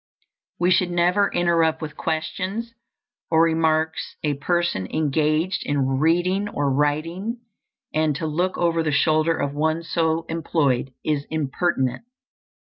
We should never interrupt with questions or remarks a person engaged in reading or writing, and to look over the shoulder of one so employed is impertinent.